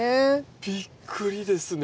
びっくりですね。